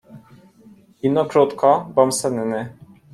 Ino krótko, bom senny.